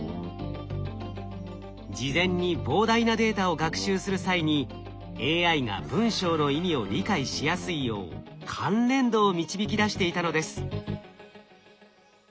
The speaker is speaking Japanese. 事前に膨大なデータを学習する際にＡＩが文章の意味を理解しやすいよう関連度を導き出していたのです。